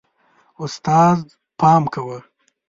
استاده، پام کوه.